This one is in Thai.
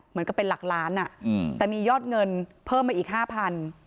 เหมือนกับเป็นหลักล้านแต่มียอดเงินเพิ่มมาอีกห้าพัน